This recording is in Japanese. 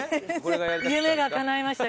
夢がかないました